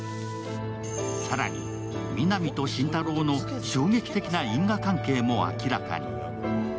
更に、皆実と心太朗の衝撃的な因果関係も明らかに。